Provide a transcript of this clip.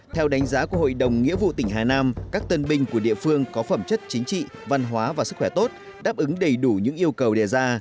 theo đánh giá của hội đồng nghĩa vụ tỉnh hà nam các tân binh của địa phương có phẩm chất chính trị văn hóa và sức khỏe tốt đáp ứng đầy đủ những yêu cầu đề ra